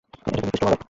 এটাকে beef stew বলো।